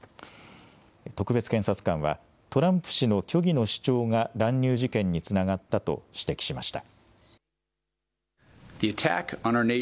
特別検察官は、トランプ氏の虚偽の主張が乱入事件につながったと指摘しました。